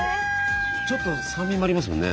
ちょっと酸味もありますもんね。